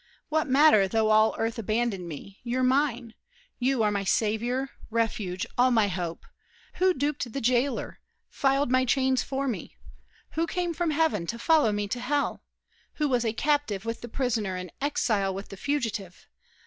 What matter Though all the earth abandon me, you're mine! You are my savior, refuge, all my hope! Who duped the jailer, filed my chains for me? Who came from heaven to follow me to hell? Who was a captive with the prisoner, An exile with the fugitive?